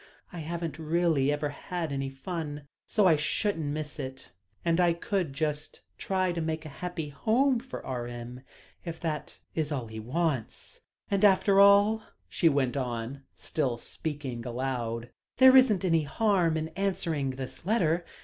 "I haven't really ever had any fun, so I shouldn't miss it, and I could just try to make a happy home for R.M., if that is all he wants. And after all," she went on, still speaking aloud, "there isn't any harm in answering his letter.